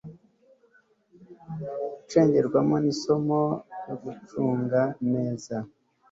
gucengerwamo nisomo ryo gucunga neza